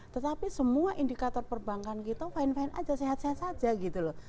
tetapi semua indikator perbankan kita fine fine aja sehat sehat saja gitu loh